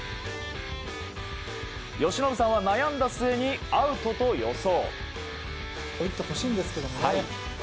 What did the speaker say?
由伸さんは悩んだ末にアウトと予想。